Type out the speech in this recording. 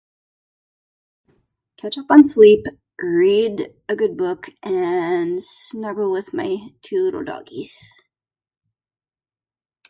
Catch up on sleep, read a good book, and snuggle with my two little doggies.